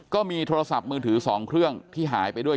ก็มีโทรศัพท์มือถือ๒เครื่องที่หายไปด้วย